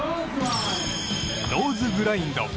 ノーズグラインド。